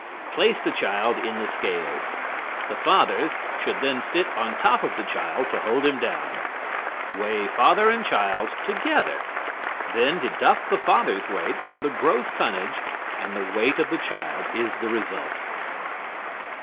_ Place the child in the scales. The father should then sit on top of the child to hold him down. Weigh father and child together. Then deduct the father's weight from the gross tonnage, and the weight of the child is the result.